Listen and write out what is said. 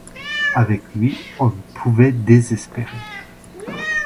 Avec lui, on ne pouvait désespérer